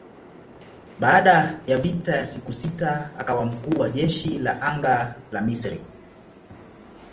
Baada ya vita ya siku sita akawa mkuu wa jeshi la anga la Misri.